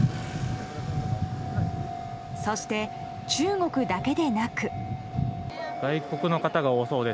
そして、中国だけでなく。